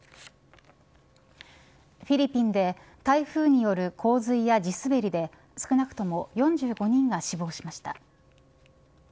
フィリピンで台風による洪水や地すべりで少なくとも４５人が死亡しました。